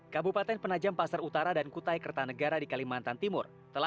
kabupaten penajam pasar utara dan kutai kertanegara di kalimantan timur